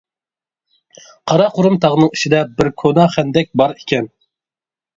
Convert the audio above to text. قارا قۇرۇم تاغنىڭ ئىچىدە بىر كونا خەندەك بار ئىكەن.